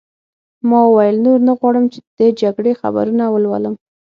ما وویل: نور نه غواړم د جګړې خبرونه ولولم.